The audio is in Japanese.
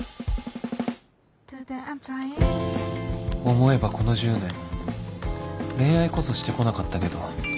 思えばこの１０年恋愛こそしてこなかったけど